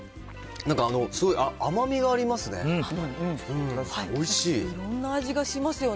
なんかすごい甘みがありますね。